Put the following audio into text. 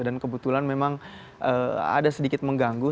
kebetulan memang ada sedikit mengganggu